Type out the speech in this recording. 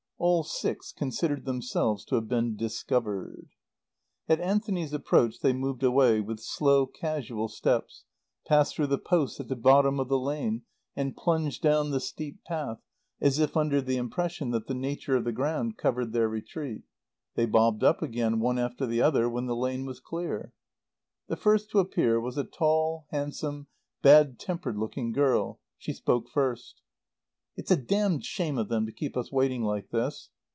All six considered themselves to have been discovered. At Anthony's approach they moved away, with slow, casual steps, passed through the posts at the bottom of the lane and plunged down the steep path, as if under the impression that the nature of the ground covered their retreat. They bobbed up again, one after the other, when the lane was clear. The first to appear was a tall, handsome, bad tempered looking girl. She spoke first. "It's a damned shame of them to keep us waiting like this."